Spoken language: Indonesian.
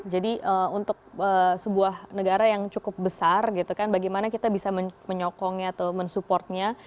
jadi untuk sebuah negara yang cukup besar bagaimana kita bisa menyokongnya atau mensupportnya